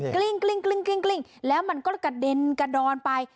กลิ้งกลิ้งกลิ้งกลิ้งกลิ้งแล้วมันก็กระเด็นกระดอนไป